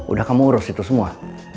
udah kamu urus itu semua